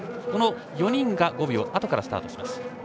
この４人が５秒あとからスタートします。